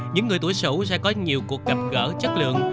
những người tuổi xấu sẽ có nhiều cuộc gặp gỡ chất lượng